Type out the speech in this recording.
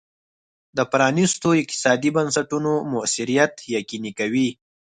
د پرانیستو اقتصادي بنسټونو موثریت یقیني کوي.